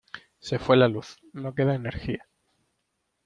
Se fue la luz, no queda energía.